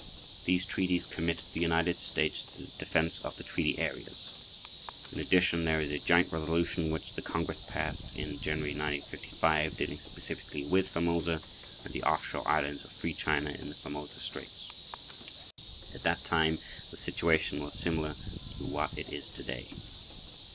These treaties commit the United States to the defense of the treaty areas.[pg 15] In addition, there is a joint resolution which the Congress passed in January 1955 dealing specifically with Formosa and the offshore islands of Free China in the Formosa Straits. At that time the situation was similar to what it is today.